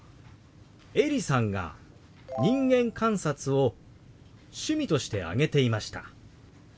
エリさんが「人間観察」を趣味として挙げていました。